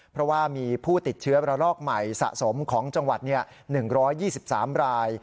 เพราะว่ามีผู้ติดเชื้อระลอกใหม่สะสมของจังหวัด๑๒๓ราย